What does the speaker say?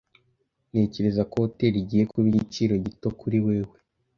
Ntekereza ko hoteri igiye kuba igiciro gito kuri wewe.